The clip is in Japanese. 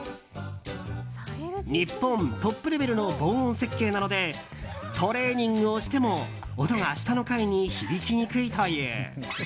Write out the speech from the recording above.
日本トップレベルの防音設計なのでトレーニングをしても音が下の階に響きにくいという。